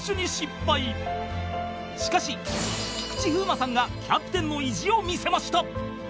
［しかし菊池風磨さんがキャプテンの意地を見せました］